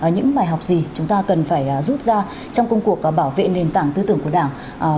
những bài học gì chúng ta cần phải rút ra trong công cuộc bảo vệ nền tảng tư tưởng của đảng